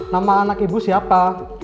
nama anak ibu siapa